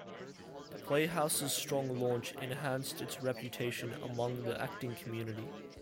The Playhouse's strong launch enhanced its reputation among the acting community.